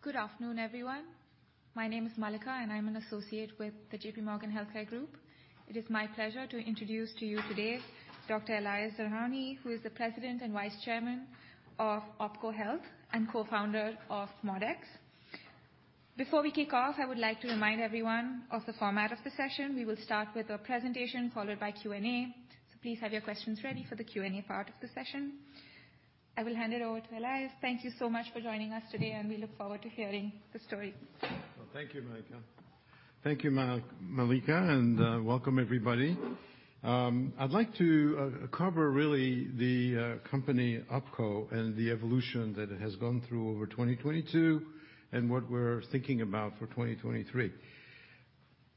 Good afternoon, everyone. My name is Malika, and I'm an associate with the JP Morgan Healthcare Group. It is my pleasure to introduce to you today Dr. Elias Zerhouni, who is the President and Vice Chairman of OPKO Health and co-founder of ModeX. Before we kick off, I would like to remind everyone of the format of the session. We will start with a presentation followed by Q&A. Please have your questions ready for the Q&A part of the session. I will hand it over to Elias. Thank you so much for joining us today, and we look forward to hearing the story. Well, thank you, Malika. Thank you, Malika, and welcome everybody. I'd like to cover really the company OPKO and the evolution that it has gone through over 2022, and what we're thinking about for 2023.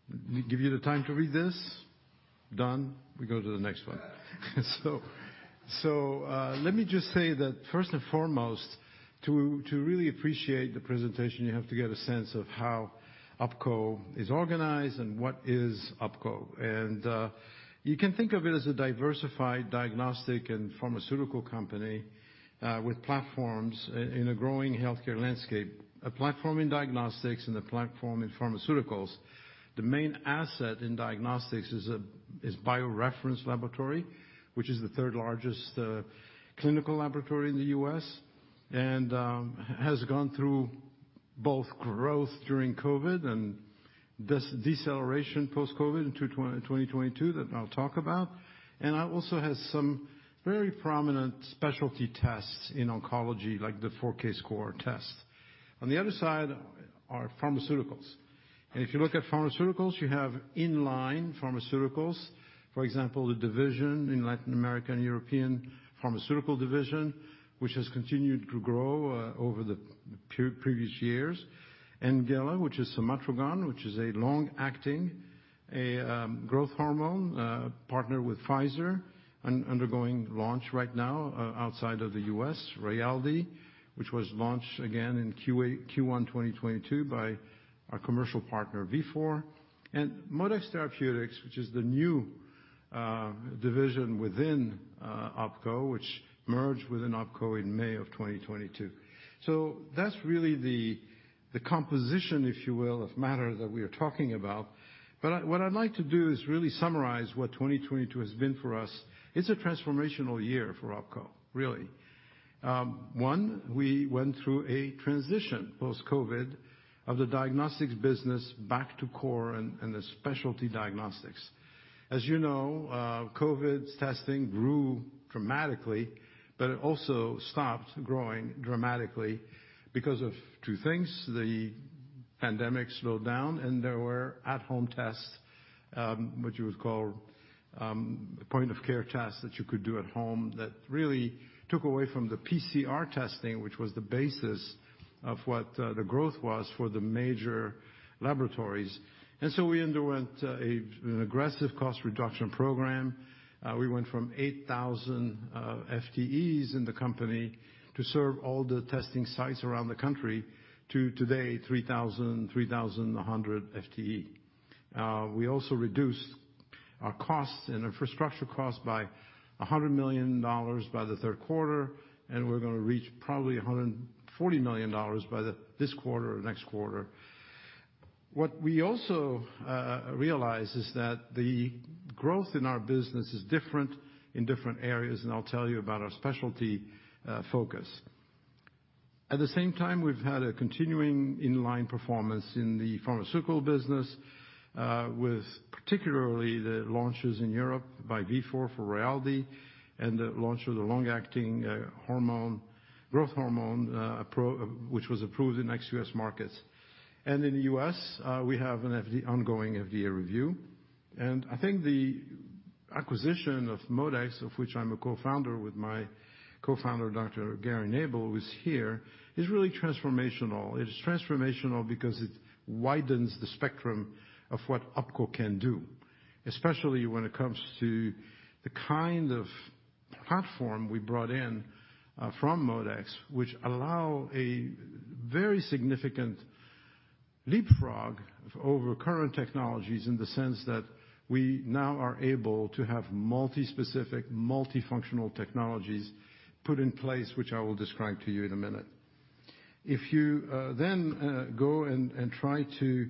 Did we give you the time to read this? Done? We go to the next one. Let me just say that first and foremost, to really appreciate the presentation, you have to get a sense of how OPKO is organized and what is OPKO. You can think of it as a diversified diagnostic and pharmaceutical company, with platforms in a growing healthcare landscape. A platform in diagnostics and a platform in pharmaceuticals. The main asset in diagnostics is BioReference Laboratories, which is the third largest clinical laboratory in the U.S., and has gone through both growth during COVID and this deceleration post-COVID in 2022 that I'll talk about. I also have some very prominent specialty tests in oncology, like the 4Kscore Test. On the other side are pharmaceuticals. If you look at pharmaceuticals, you have in-line pharmaceuticals. For example, the division in Latin American, European pharmaceutical division, which has continued to grow over the previous years. NGENLA, which is Somatropin, which is a long-acting growth hormone, partnered with Pfizer undergoing launch right now outside of the U.S. RAYALDEE, which was launched again in Q1 2022 by our commercial partner Vifor. ModeX Therapeutics, which is the new division within OPKO, which merged within OPKO in May of 2022. That's really the composition, if you will, of matter that we are talking about. What I'd like to do is really summarize what 2022 has been for us. It's a transformational year for OPKO, really. 1, we went through a transition post-COVID of the diagnostics business back to core and the specialty diagnostics. As you know, COVID testing grew dramatically, but it also stopped growing dramatically because of 2 things. The pandemic slowed down, and there were at home tests, which you would call point of care tests that you could do at home that really took away from the PCR testing, which was the basis of what the growth was for the major laboratories. We underwent an aggressive cost reduction program. We went from 8,000 FTEs in the company to serve all the testing sites around the country to today, 3,100 FTE. We also reduced our costs and infrastructure costs by $100 million by the third quarter, and we're gonna reach probably $140 million by this quarter or next quarter. What we also realized is that the growth in our business is different in different areas, and I'll tell you about our specialty focus. At the same time, we've had a continuing in-line performance in the pharmaceutical business, with particularly the launches in Europe by Vifor for RAYALDEE and the launch of the long-acting hormone, growth hormone, which was approved in ex-US markets. In the U.S., we have an ongoing FDA review. I think the acquisition of ModeX, of which I'm a co-founder with my co-founder, Dr. Gary Nabel, who is here, is really transformational. It is transformational because it widens the spectrum of what OPKO can do, especially when it comes to the kind of platform we brought in from ModeX, which allow a very significant leapfrog over current technologies in the sense that we now are able to have multispecific, multifunctional technologies put in place, which I will describe to you in a minute. If you go and try to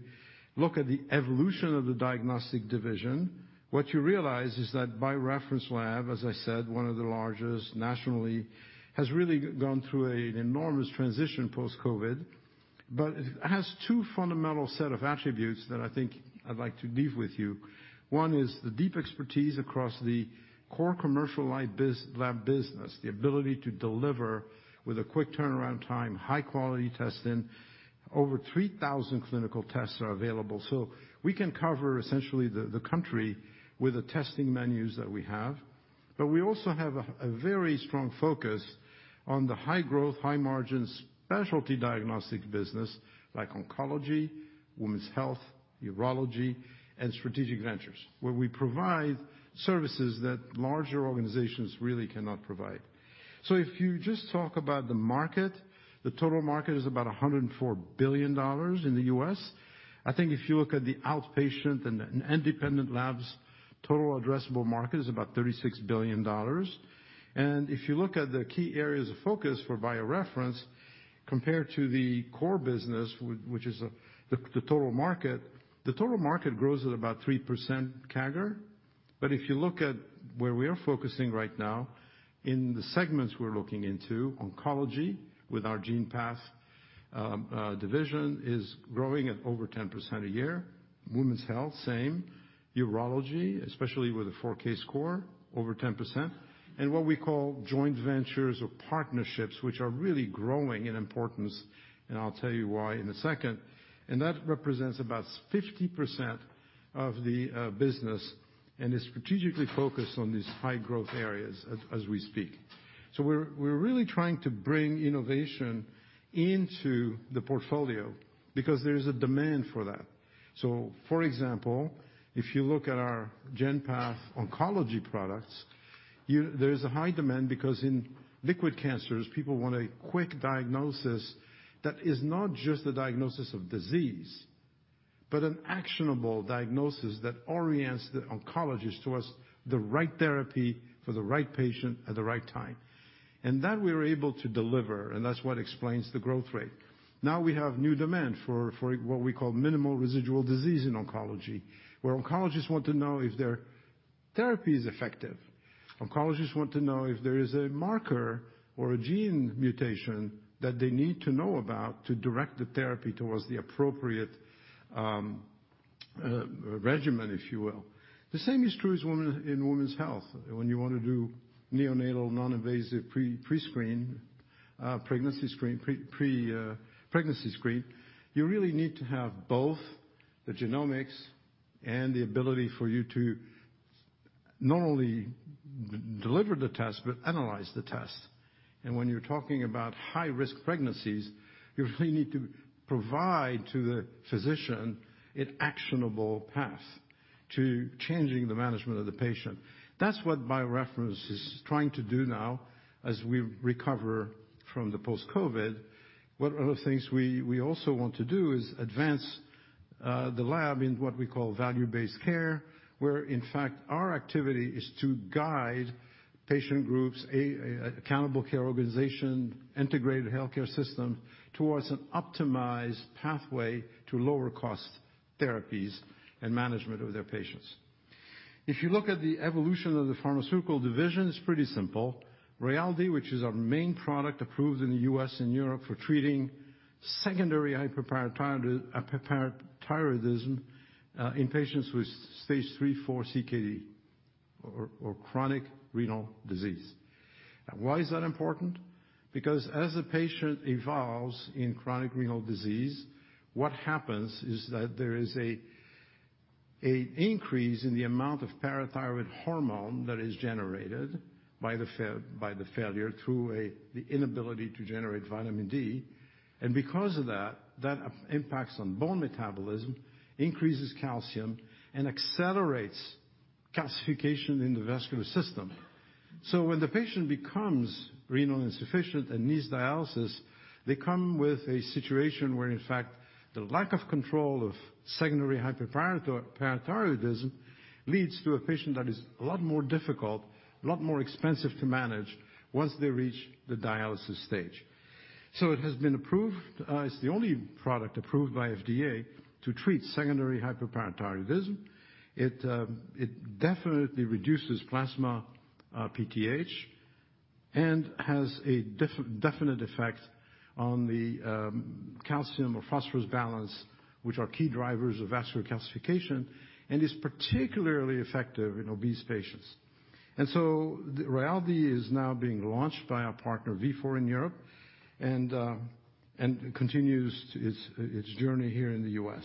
look at the evolution of the diagnostic division, what you realize is that Bio-Reference Lab, as I said, one of the largest nationally, has really gone through an enormous transition post-COVID, but it has two fundamental set of attributes that I think I'd like to leave with you. One is the deep expertise across the core commercial lab business, the ability to deliver with a quick turnaround time, high quality testing. Over 3,000 clinical tests are available. We can cover essentially the country with the testing menus that we have. We also have a very strong focus on the high growth, high margin specialty diagnostic business like oncology, women's health, urology, and strategic ventures, where we provide services that larger organizations really cannot provide. If you just talk about the market, the total market is about $104 billion in the U.S. I think if you look at the outpatient and independent labs, total addressable market is about $36 billion. If you look at the key areas of focus for BioReference compared to the core business, which is the total market. The total market grows at about 3% CAGR. If you look at where we are focusing right now, in the segments we're looking into, oncology, with our GenPath division, is growing at over 10% a year. Women's health, same. Urology, especially with the 4Kscore, over 10%. What we call joint ventures or partnerships, which are really growing in importance, and I'll tell you why in a second, that represents about 50% of the business and is strategically focused on these high growth areas as we speak. We're really trying to bring innovation into the portfolio because there's a demand for that. For example, if you look at our GenPath oncology products, there's a high demand because in liquid cancers, people want a quick diagnosis that is not just a diagnosis of disease, but an actionable diagnosis that orients the oncologist towards the right therapy for the right patient at the right time. That we're able to deliver, and that's what explains the growth rate. Now we have new demand for what we call minimal residual disease in oncology, where oncologists want to know if their therapy is effective. Oncologists want to know if there is a marker or a gene mutation that they need to know about to direct the therapy towards the appropriate regimen, if you will. The same is true in women's health. When you wanna do neonatal non-invasive prescreen, pregnancy screen, pre, pregnancy screen, you really need to have both the genomics and the ability for you to not only deliver the test, but analyze the test. When you're talking about high-risk pregnancies, you really need to provide to the physician an actionable path to changing the management of the patient. That's what BioReference is trying to do now as we recover from the post-COVID. What other things we also want to do is advance the lab in what we call value-based care, where, in fact, our activity is to guide patient groups, an accountable care organization, integrated healthcare system, towards an optimized pathway to lower cost therapies and management of their patients. You look at the evolution of the pharmaceutical division, it's pretty simple. RAYALDEE, which is our main product approved in the U.S. and Europe for treating secondary hyperparathyroidism in patients with stage 3, 4 CKD or chronic renal disease. Why is that important? As a patient evolves in chronic renal disease, what happens is that there is an increase in the amount of parathyroid hormone that is generated by the failure through the inability to generate vitamin D. Because of that impacts on bone metabolism, increases calcium, and accelerates calcification in the vascular system. When the patient becomes renal insufficient and needs dialysis, they come with a situation where, in fact, the lack of control of secondary hyperparathyroidism leads to a patient that is a lot more difficult, a lot more expensive to manage once they reach the dialysis stage. It has been approved, it's the only product approved by FDA to treat secondary hyperparathyroidism. It definitely reduces plasma PTH and has a definite effect on the calcium or phosphorus balance, which are key drivers of vascular calcification and is particularly effective in obese patients. RAYALDEE is now being launched by our partner Vifor in Europe and continues its journey here in the U.S.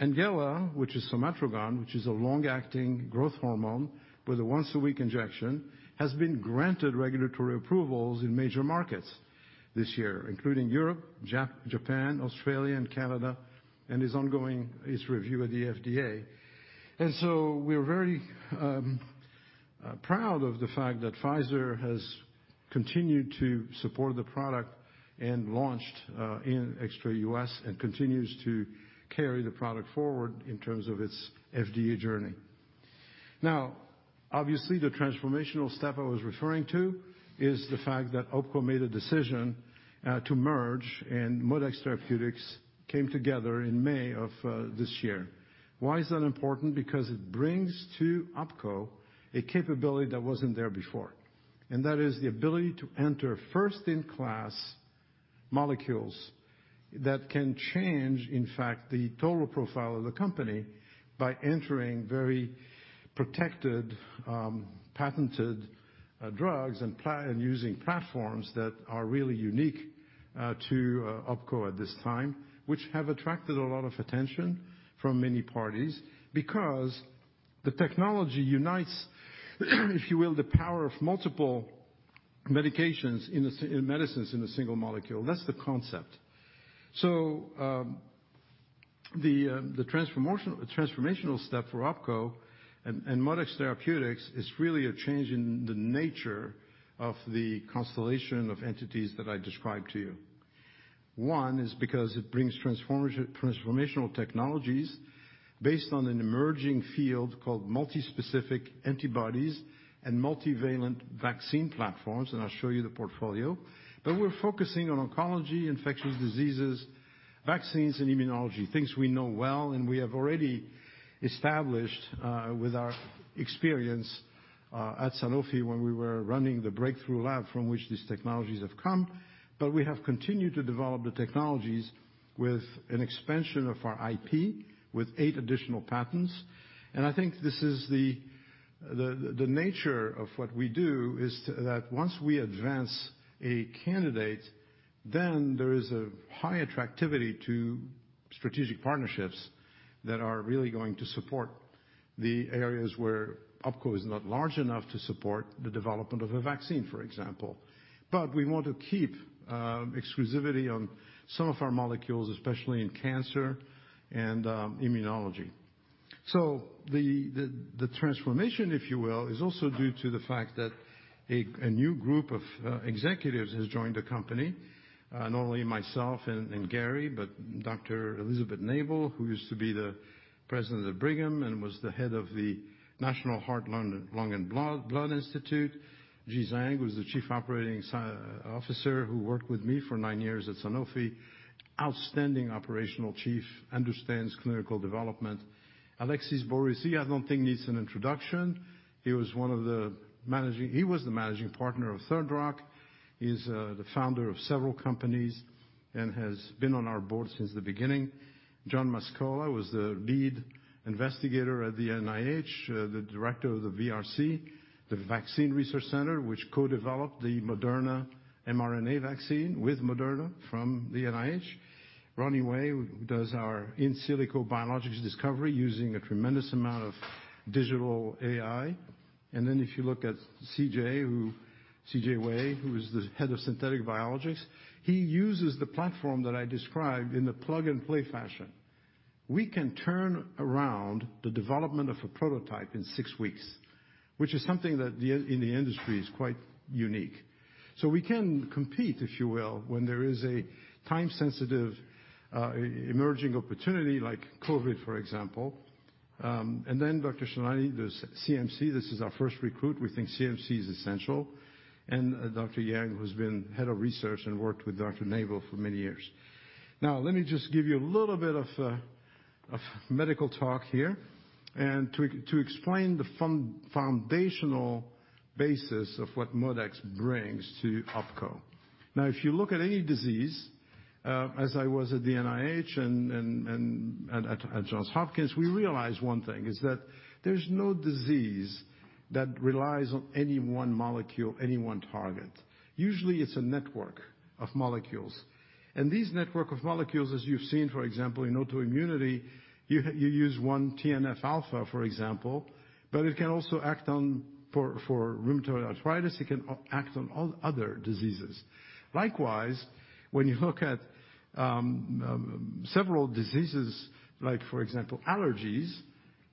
NGENLA, which is Somatropin, which is a long-acting growth hormone with a once a week injection, has been granted regulatory approvals in major markets this year, including Europe, Japan, Australia and Canada, and is ongoing its review with the FDA. We're very proud of the fact that Pfizer has continued to support the product and launched in extra U.S. and continues to carry the product forward in terms of its FDA journey. Now, obviously, the transformational step I was referring to is the fact that OPKO made a decision to merge and ModeX Therapeutics came together in May of this year. Why is that important? Because it brings to OPKO a capability that wasn't there before. That is the ability to enter first-in-class molecules that can change, in fact, the total profile of the company by entering very protected, patented, drugs and using platforms that are really unique to OPKO at this time, which have attracted a lot of attention from many parties because the technology unites, if you will, the power of multiple medications in medicines in a single molecule. That's the concept. The transformational step for OPKO and ModeX Therapeutics is really a change in the nature of the constellation of entities that I described to you. One is because it brings transformational technologies based on an emerging field called multispecific antibodies and multivalent vaccine platforms, and I'll show you the portfolio. We're focusing on oncology, infectious diseases, vaccines, and immunology. Things we know well, and we have already established with our experience at Sanofi when we were running the breakthrough lab from which these technologies have come. We have continued to develop the technologies with an expansion of our IP with 8 additional patents. I think this is the nature of what we do is to that once we advance a candidate, then there is a high attractivity to strategic partnerships that are really going to support the areas where OPKO is not large enough to support the development of a vaccine, for example. We want to keep exclusivity on some of our molecules, especially in cancer and immunology. The transformation, if you will, is also due to the fact that a new group of executives has joined the company. Not only myself and Gary, but Dr. Elizabeth Nabel, who used to be the President of Brigham and was the head of the National Heart, Lung, and Blood Institute. Ji Zhang, who is the Chief Operating Officer who worked with me for nine years at Sanofi. Outstanding operational Chief, understands clinical development. Alexis Borisy, I don't think needs an introduction. He was the Managing Partner of Third Rock. He's the founder of several companies and has been on our board since the beginning. John Mascola was the lead investigator at the NIH, the Director of the VRC, the Vaccine Research Center, which co-developed the Moderna mRNA vaccine with Moderna from the NIH. Ronnie Wei, who does our in silico biologics discovery using a tremendous amount of digital AI. If you look at CJ, who... CJ Wei, who is the head of synthetic biologics, he uses the platform that I described in the plug-and-play fashion. We can turn around the development of a prototype in six weeks, which is something that in the industry is quite unique. We can compete, if you will, when there is a time-sensitive, emerging opportunity like COVID, for example. Dr. Shalini does CMC. This is our first recruit. We think CMC is essential. Dr. Yang, who's been head of research and worked with Dr. Nabel for many years. Let me just give you a little bit of medical talk here and to explain the fun-foundational basis of what ModeX brings to Opko. If you look at any disease, as I was at the NIH and at Johns Hopkins, we realized 1 thing, is that there's no disease that relies on any 1 molecule, any 1 target. Usually, it's a network of molecules. These network of molecules, as you've seen, for example, in autoimmunity, you use 1 TNF Alpha, for example, but it can also act on for rheumatoid arthritis, it can act on all other diseases. Likewise, when you look at several diseases, like for example, allergies,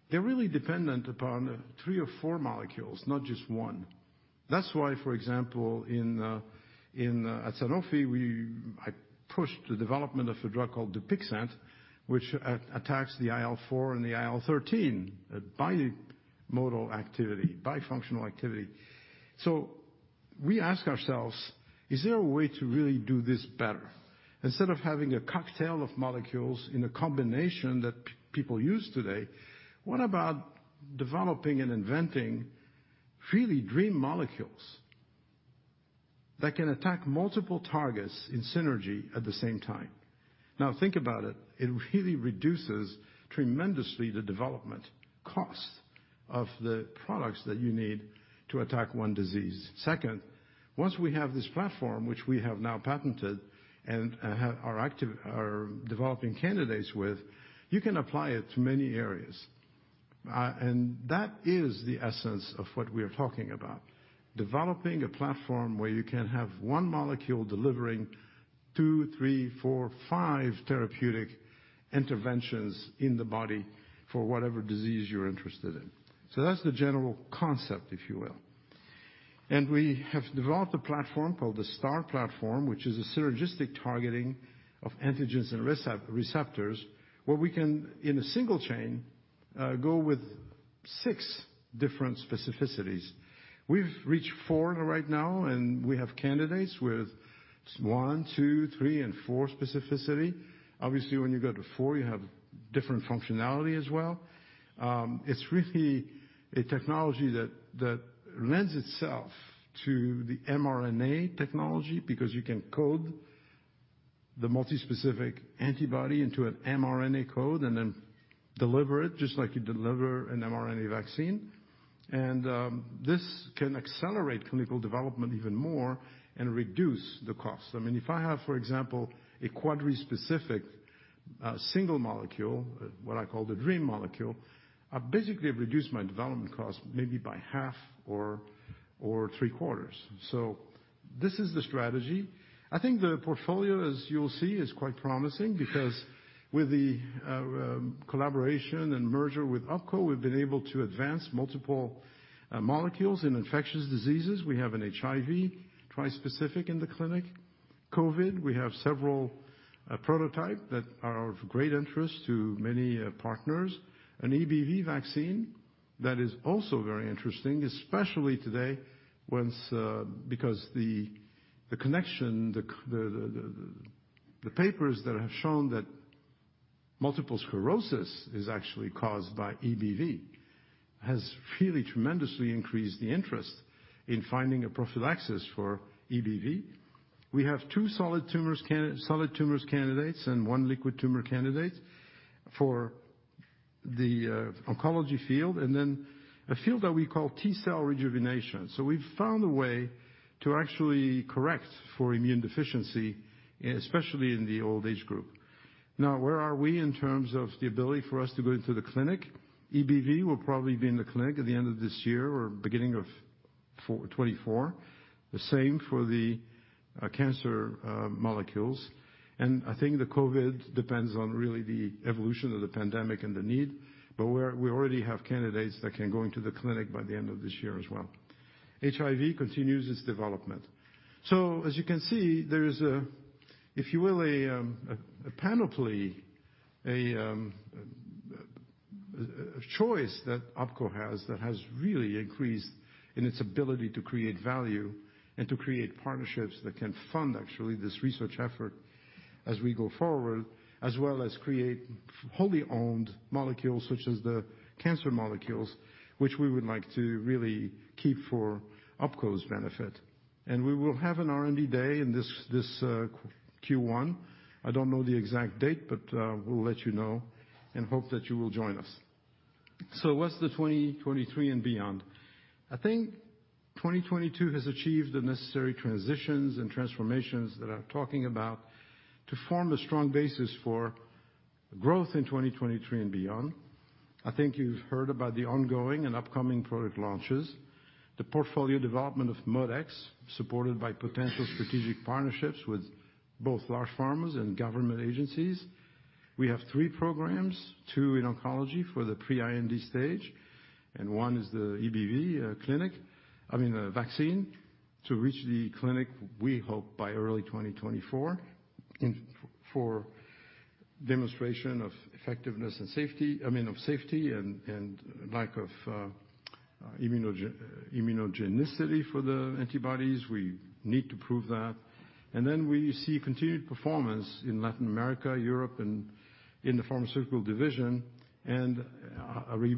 they're really dependent upon 3 or 4 molecules, not just 1. That's why, for example, at Sanofi, we, I pushed the development of a drug called Dupixent, which attacks the IL-4 and the IL-13, a bimodal activity, bifunctional activity. We ask ourselves, is there a way to really do this better? Instead of having a cocktail of molecules in a combination that people use today, what about developing and inventing really dream molecules that can attack multiple targets in synergy at the same time? Think about it. It really reduces tremendously the development cost of the products that you need to attack one disease. Second, once we have this platform, which we have now patented and have are developing candidates with, you can apply it to many areas. That is the essence of what we're talking about. Developing a platform where you can have one molecule delivering 2, 3, 4, 5 therapeutic interventions in the body for whatever disease you're interested in. That's the general concept, if you will. We have developed a platform called the STAR platform, which is a synergistic targeting of antigens and receptors, where we can, in a single chain, go with six different specificities. We've reached four right now, and we have candidates with one, two, three, and four specificity. Obviously, when you go to four, you have different functionality as well. It's really a technology that lends itself to the mRNA technology because you can code the multispecific antibody into an mRNA code and then deliver it just like you deliver an mRNA vaccine. This can accelerate clinical development even more and reduce the cost. I mean, if I have, for example, a quadrispecific, single molecule, what I call the dream molecule, I basically have reduced my development cost maybe by half or three quarters. This is the strategy. I think the portfolio, as you'll see, is quite promising because with the collaboration and merger with OPKO, we've been able to advance multiple molecules in infectious diseases. We have an HIV trispecific in the clinic. COVID, we have several prototype that are of great interest to many partners. An EBV vaccine that is also very interesting, especially today, once because the connection, the papers that have shown that multiple sclerosis is actually caused by EBV has really tremendously increased the interest in finding a prophylaxis for EBV. We have two solid tumors candidates and one liquid tumor candidate for the oncology field. A field that we call T-cell rejuvenation. We've found a way to actually correct for immune deficiency, especially in the old age group. Now, where are we in terms of the ability for us to go into the clinic? EBV will probably be in the clinic at the end of this year or beginning of 2024. The same for the cancer molecules. I think the COVID depends on really the evolution of the pandemic and the need, but we already have candidates that can go into the clinic by the end of this year as well. HIV continues its development. As you can see, there is a, if you will, a panoply, a choice that OPKO has that has really increased in its ability to create value and to create partnerships that can fund actually this research effort as we go forward, as well as create wholly owned molecules such as the cancer molecules, which we would like to really keep for OPKO's benefit. We will have an R&D day in this Q1. I don't know the exact date, but we'll let you know and hope that you will join us. What's the 2023 and beyond? I think 2022 has achieved the necessary transitions and transformations that I'm talking about to form a strong basis for growth in 2023 and beyond. I think you've heard about the ongoing and upcoming product launches, the portfolio development of ModeX, supported by potential strategic partnerships with both large pharmas and government agencies. We have three programs, two in oncology for the pre-IND stage, and one is the EBV vaccine, to reach the clinic, we hope by early 2024. For demonstration of effectiveness and safety, I mean of safety and lack of immunogenicity for the antibodies. We need to prove that. We see continued performance in Latin America, Europe, and in the pharmaceutical division, and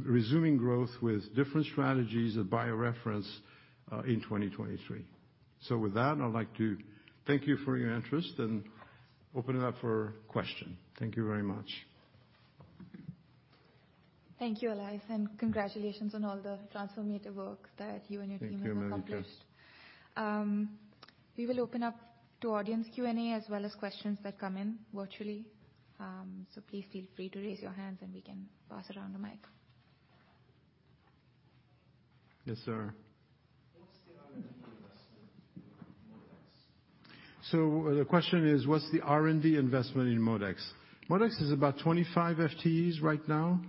resuming growth with different strategies of BioReference in 2023. With that, I'd like to thank you for your interest and open it up for question. Thank you very much. Thank you, Elias, and congratulations on all the transformative work that you and your team have accomplished. Thank you, Malika. We will open up to audience Q&A as well as questions that come in virtually. Please feel free to raise your hands and we can pass around the mic. Yes, sir. What's the R&D investment in ModeX? The question is, what's the R&D investment in ModeX? ModeX is about 25 FTEs right now.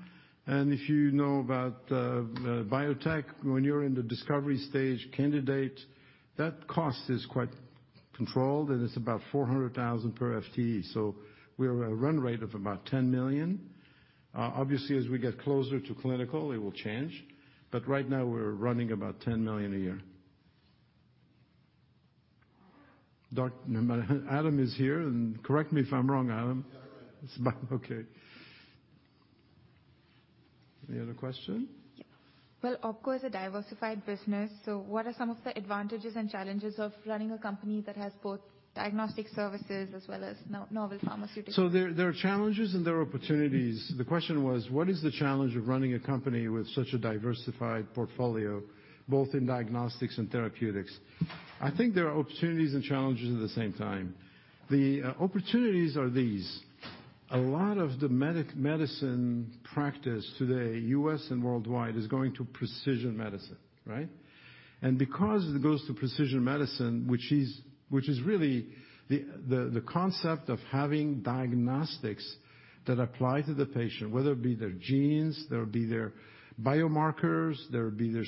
If you know about biotech, when you're in the discovery stage candidate, that cost is quite controlled, and it's about $400,000 per FTE. We're at a run rate of about $10 million. Obviously, as we get closer to clinical, it will change. Right now, we're running about $10 million a year. Doc, no, Adam is here, and correct me if I'm wrong, Adam. You got it right. It's about okay. Any other question? Yeah. Well, OPKO is a diversified business. What are some of the advantages and challenges of running a company that has both diagnostic services as well as no-novel pharmaceuticals? There are challenges and there are opportunities. The question was, what is the challenge of running a company with such a diversified portfolio, both in diagnostics and therapeutics? I think there are opportunities and challenges at the same time. The opportunities are these: A lot of the medicine practice today, U.S. and worldwide, is going to precision medicine, right? Because it goes to precision medicine, which is really the concept of having diagnostics that apply to the patient, whether it be their genes, whether it be their biomarkers, whether it be their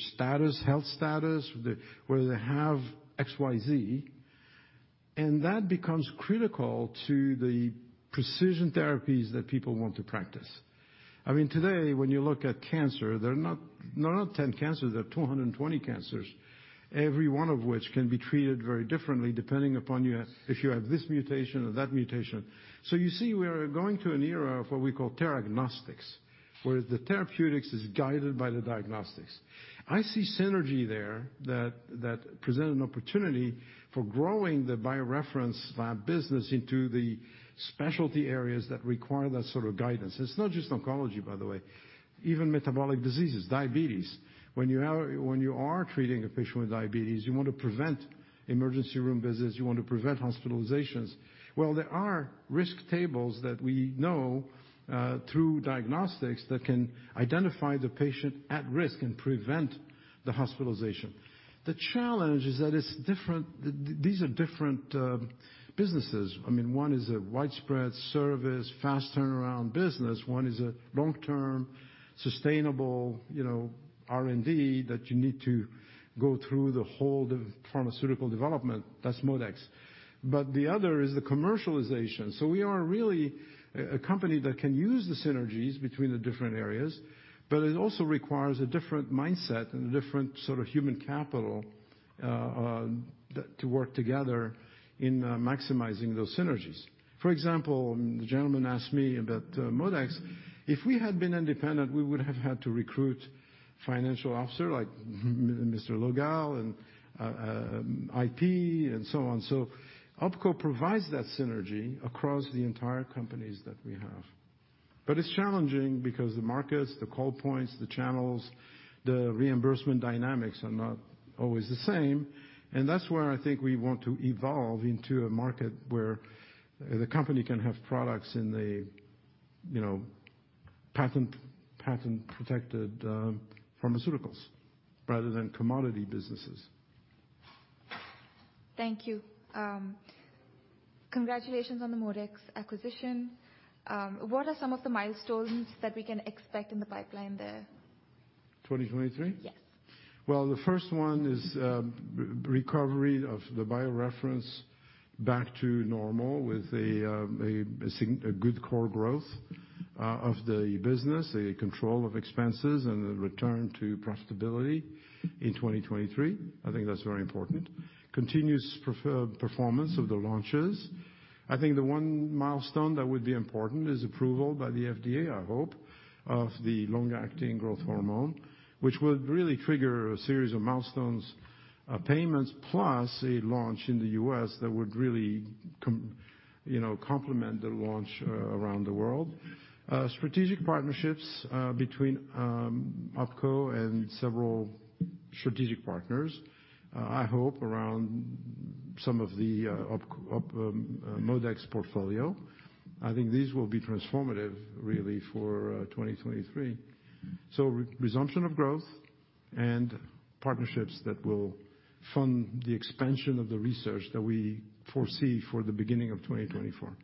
health status, whether they have XYZ. That becomes critical to the precision therapies that people want to practice. I mean, today, when you look at cancer, there are not 10 cancers, there are 220 cancers, every one of which can be treated very differently depending upon you, if you have this mutation or that mutation. You see, we are going to an era of what we call theranostics, where the therapeutics is guided by the diagnostics. I see synergy there that present an opportunity for growing the BioReference lab business into the specialty areas that require that sort of guidance. It's not just oncology, by the way. Even metabolic diseases, diabetes. When you are treating a patient with diabetes, you want to prevent emergency room visits, you want to prevent hospitalizations. Well, there are risk tables that we know through diagnostics that can identify the patient at risk and prevent the hospitalization. The challenge is that it's different... These are different businesses. I mean, one is a widespread service, fast turnaround business. One is a long-term, sustainable, you know, R&D that you need to go through the whole of pharmaceutical development. That's ModeX. The other is the commercialization. We are really a company that can use the synergies between the different areas, but it also requires a different mindset and a different sort of human capital that, to work together in maximizing those synergies. For example, the gentleman asked me about ModeX. If we had been independent, we would have had to recruit financial officer like Mr. Logal and IP and so on. OPKO provides that synergy across the entire companies that we have. The markets, the call points, the channels, the reimbursement dynamics are not always the same. That's where I think we want to evolve into a market where the company can have products in the, you know, patent-protected pharmaceuticals rather than commodity businesses. Thank you. Congratulations on the ModeX acquisition. What are some of the milestones that we can expect in the pipeline there? 2023? Yes. The first one is, recovery of the BioReference back to normal with a good core growth of the business, a control of expenses, and a return to profitability in 2023. I think that's very important. Continuous performance of the launches. I think the one milestone that would be important is approval by the FDA, I hope, of the long-acting growth hormone, which would really trigger a series of milestones, payments, plus a launch in the U.S. that would really you know, complement the launch around the world. Strategic partnerships between OPKO and several strategic partners, I hope around some of the ModeX portfolio. I think these will be transformative really for 2023. Resumption of growth and partnerships that will fund the expansion of the research that we foresee for the beginning of 2024.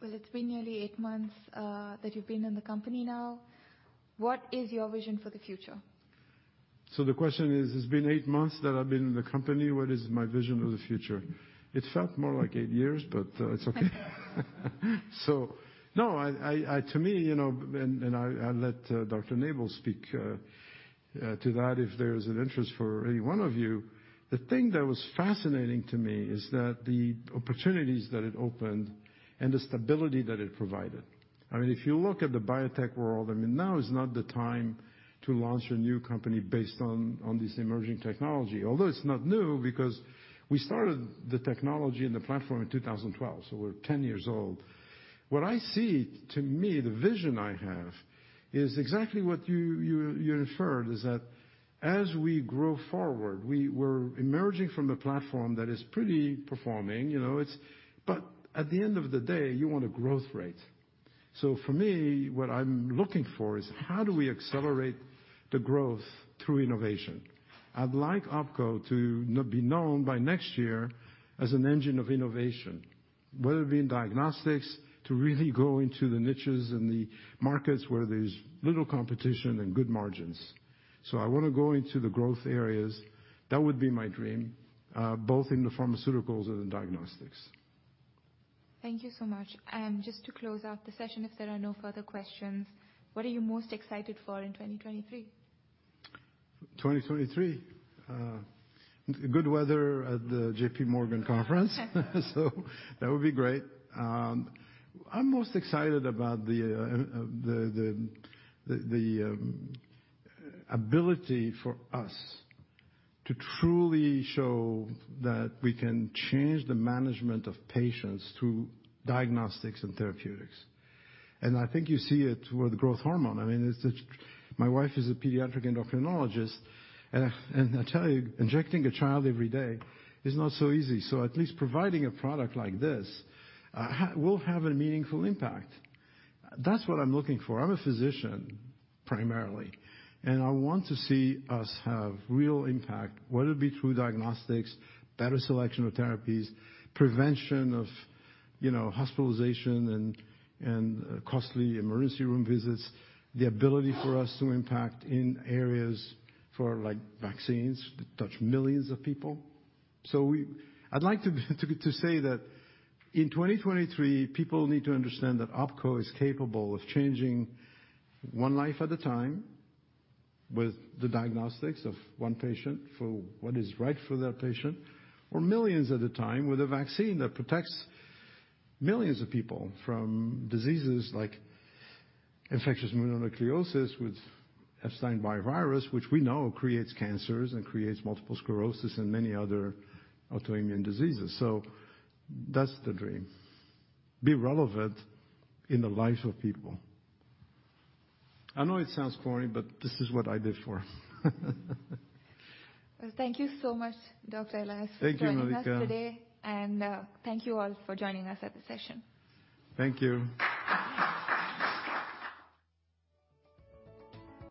Well, it's been nearly eight months that you've been in the company now. What is your vision for the future? The question is, it's been 8 months that I've been in the company, what is my vision of the future? It felt more like 8 years, but, it's okay. No, I to me, you know, and I'll let Dr. Nabel speak to that if there's an interest for any one of you. The thing that was fascinating to me is that the opportunities that it opened and the stability that it provided. I mean, if you look at the biotech world, I mean, now is not the time to launch a new company based on this emerging technology. It's not new, because we started the technology and the platform in 2012, so we're 10 years old. What I see, to me, the vision I have, is exactly what you inferred, is that as we grow forward, we were emerging from a platform that is pretty performing, you know, it's. At the end of the day, you want a growth rate. For me, what I'm looking for is how do we accelerate the growth through innovation? I'd like OPKO to be known by next year as an engine of innovation, whether it be in diagnostics to really go into the niches and the markets where there's little competition and good margins. I wanna go into the growth areas. That would be my dream, both in the pharmaceuticals and in diagnostics. Thank you so much. Just to close out the session if there are no further questions, what are you most excited for in 2023? 2023? Good weather at the JP Morgan conference. That would be great. I'm most excited about the ability for us to truly show that we can change the management of patients through diagnostics and therapeutics. I think you see it with growth hormone. I mean, My wife is a pediatric endocrinologist, and I tell you, injecting a child every day is not so easy. At least providing a product like this will have a meaningful impact. That's what I'm looking for. I'm a physician primarily, I want to see us have real impact, whether it be through diagnostics, better selection of therapies, prevention of, you know, hospitalization and costly emergency room visits, the ability for us to impact in areas for, like vaccines that touch millions of people. We I'd like to say that in 2023, people need to understand that OPKO is capable of changing 1 life at a time with the diagnostics of 1 patient for what is right for that patient, or millions at a time with a vaccine that protects millions of people from diseases like infectious mononucleosis with Epstein-Barr virus, which we know creates cancers and creates multiple sclerosis and many other autoimmune diseases. That's the dream. Be relevant in the lives of people. I know it sounds corny, but this is what I live for. Well, thank you so much, Dr. Elias. Thank you, Malika.... for joining us today. Thank you all for joining us at the session. Thank you.